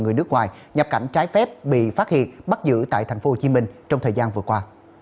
người nước ngoài nhập cảnh trái phép bị phát hiện bắt giữ tại tp hcm trong thời gian vừa qua